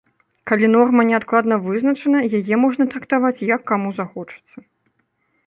Калі норма недакладна вызначана, яе можна трактаваць як каму захочацца.